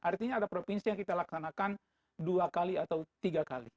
artinya ada provinsi yang kita laksanakan dua kali atau tiga kali